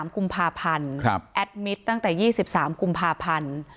๓กุมภาพันธ์แอดมิตรตั้งแต่๒๓กุมภาพันธ์